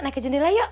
naik ke jendela yuk